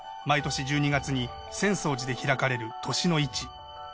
毎年１２月に浅草寺で開かれる歳の市。